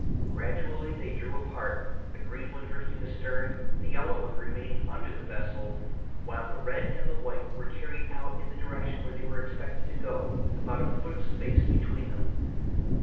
Gradually they drew apart, the green one drifting astern, the yellow one remaining under the vessel, while the red and the white were carried out in the direction where they were expected to go, with about a foot of space between them.